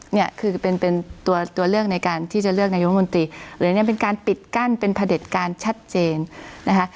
เนี่ยคือเป็นตัวเลือกในการที่จะเลือกในยุคมนตรีหรือเป็นการปิดกั้นเป็นผลิตการชัดเจนนะคะ